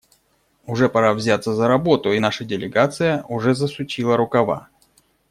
Уже пора взяться за работу, и наша делегация уже засучила рукава.